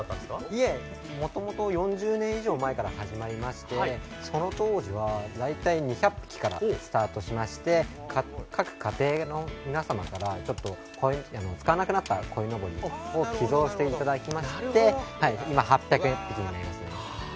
いえ、もともと４０年以上前から始まりましてその当時は大体２００匹からスタートしまして各家庭の皆様から使わなくなった鯉のぼりを寄贈していただきまして今、８００匹になりますね。